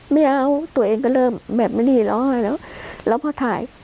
ไม่เอาตัวเองก็เริ่มแบบนี้แล้วแล้วพอถ่าย